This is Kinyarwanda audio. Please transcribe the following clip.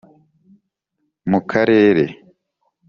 mu karere